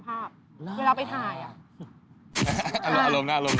เอาแล้วครับนาให้ผมบอกได้เลยนะครับ